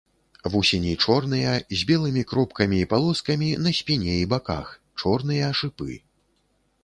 Вусені чорныя, з белымі кропкамі і палоскамі на спіне і баках, чорныя шыпы.